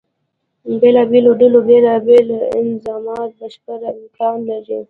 بېلابېلو ډلو بیلا بیل انظامات بشپړ امکان لري.